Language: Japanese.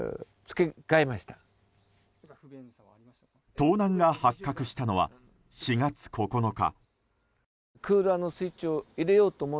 盗難が発覚したのは４月９日。